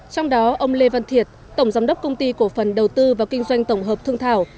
trong đó ông lê văn thiệt tổng giám đốc công ty cổ phần đầu tư và kinh doanh tổng hợp thương thảo